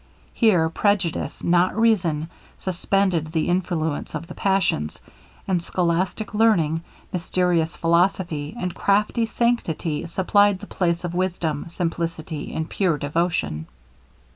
Here prejudice, not reason, suspended the influence of the passions; and scholastic learning, mysterious philosophy, and crafty sanctity supplied the place of wisdom, simplicity, and pure devotion.